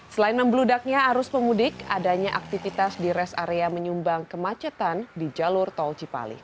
selain membeludaknya arus pemudik adanya aktivitas di rest area menyumbang kemacetan di jalur tol cipali